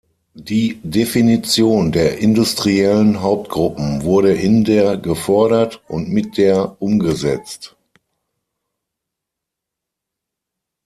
Die Definition der industriellen Hauptgruppen wurde in der gefordert und mit der umgesetzt.